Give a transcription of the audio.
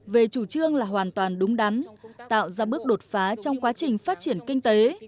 về chủ trương là hoàn toàn đúng đắn tạo ra bước đột phá trong quá trình phát triển kinh tế